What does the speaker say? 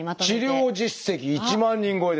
治療実績１万人超えですから。